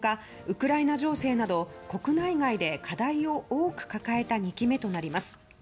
ウクライナ情勢など国内外で課題を多く抱えた２期目となります。